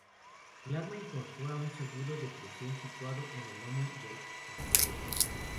El arma incorpora un seguro de presión, situado en el lomo del pistolete.